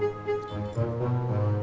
iya udah nggak usah dibahas